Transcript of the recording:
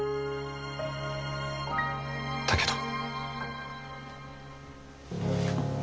だけど。